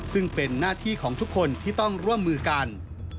ซึ่งเป็นหน้าที่ของทุกคนที่ต้องร่วมมือกัน